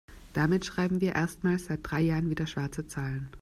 Damit schreiben wir erstmals seit drei Jahren wieder schwarze Zahlen.